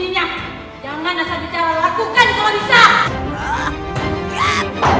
jangan lakukan apa yang kamu lakukan